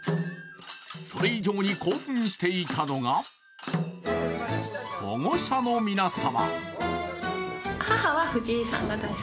それ以上に興奮していたのが保護者の皆様。